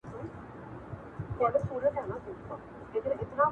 وخت به تېر وي نه راګرځي بیا به وکړې ارمانونه-